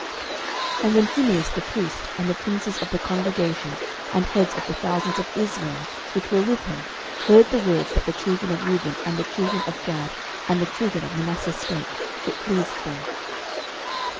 06:022:030 And when Phinehas the priest, and the princes of the congregation and heads of the thousands of Israel which were with him, heard the words that the children of Reuben and the children of Gad and the children of Manasseh spake, it pleased them.